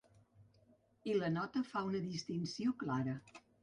I la nota fa una distinció clara.